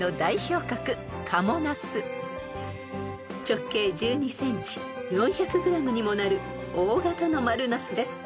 ［直径１２ｃｍ４００ｇにもなる大型の丸ナスです］